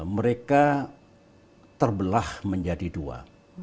mereka terbelah menjadi dua